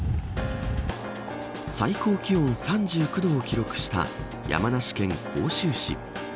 最高気温３９度を記録した山梨県甲州市。